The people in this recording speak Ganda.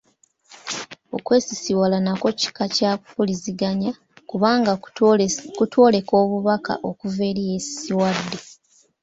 Okwesisiwala nakwo kika kya mpuliziganya kubanga kutwoleka obubaka okuva eri eyeesisiwadde.